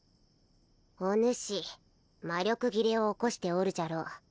おぬし魔力切れを起こしておるじゃろう